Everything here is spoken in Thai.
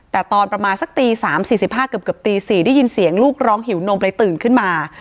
แต่ตอนประมาณสักตี๓๔๕เกือบตี๔ได้ยินเสียงลูกร้องหิวนมเลยตื่นขึ้นมา